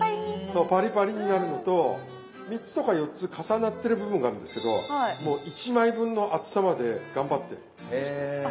そうパリパリになるのと３つとか４つ重なってる部分があるんですけどもう１枚分の厚さまで頑張って潰す。